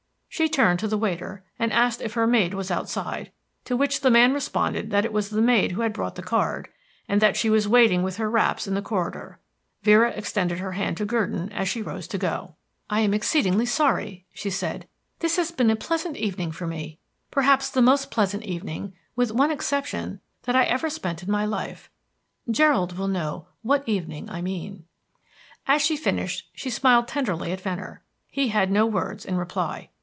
She turned to the waiter, and asked if her maid was outside, to which the man responded that it was the maid who had brought the card, and that she was waiting with her wraps in the corridor. Vera extended her hand to Gurdon as she rose to go. "I am exceedingly sorry," she said. "This has been a pleasant evening for me: perhaps the most pleasant evening with one exception that I ever spent in my life. Gerald will know what evening I mean." As she finished she smiled tenderly at Venner. He had no words in reply.